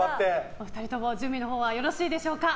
お二人とも準備のほうはよろしいでしょうか。